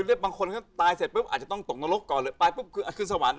คือบางคนตายเสร็จปุ๊บอาจจะต้องตกนรกก่อนเลยไปปุ๊บอาจจะขึ้นสวรรค์